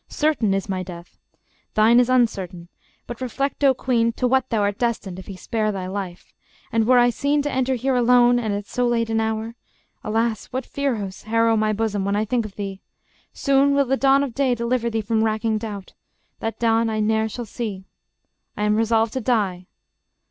Certain is my death, Thine is uncertain: but reflect, O queen, To what thou'rt destined, if he spare thy life. And were I seen to enter here alone, And at so late an hour... Alas, what fears Harrow my bosom when I think of thee! Soon will the dawn of day deliver thee From racking doubt; that dawn I ne'er shall see: I am resolved to die